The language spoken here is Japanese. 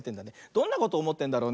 どんなことおもってんだろうね。